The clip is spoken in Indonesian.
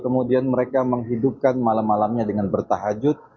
mereka menghidupkan malam malamnya dengan bertahajud